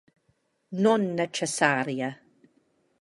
Non necessaria.